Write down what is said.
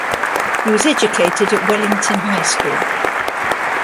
He was educated at Wellington High School.